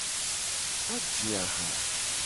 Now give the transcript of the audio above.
Aje aha.